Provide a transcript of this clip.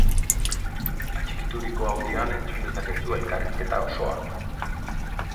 Atxikituriko audioan entzun dezakezu elkarrizketa osoa!